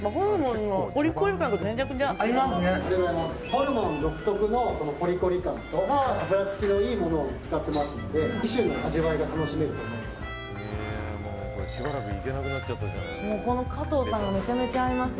ホルモン独特のコリコリ感と油付きのいいものを使ってますので２種の味わいが楽しめると思います。